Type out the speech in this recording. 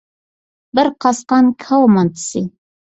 بىر قاسقان كاۋا مانتىسى.